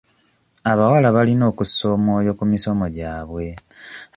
Abawala balina okussa omwoyo ku misomo gyabwe.